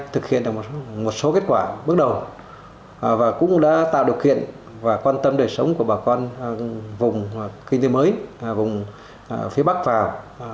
thực hiện được một số kết quả bước đầu và cũng đã tạo điều kiện và quan tâm đời sống của bà con vùng kinh tế mới vùng phía bắc vào